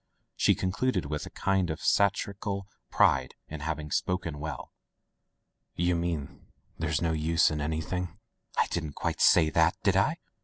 '* she concluded with a kind of satir ical pride in having spoken well. "You mean there's no use in anything ?'* "I didn't quite say that, did I?''